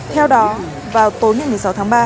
theo đó vào tối một mươi sáu tháng ba